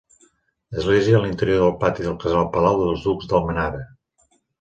Església a l'interior del pati del casal-palau dels ducs d'Almenara.